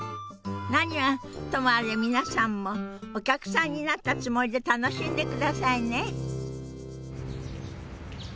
何はともあれ皆さんもお客さんになったつもりで楽しんでくださいね。